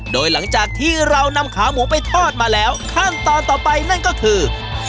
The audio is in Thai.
โดยหลังจากที่เรานำขาหมูไปทอดมาแล้วขั้นตอนต่อไปนั่นก็คือ